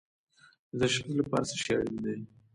د تشخیص لپاره څه شی اړین دي؟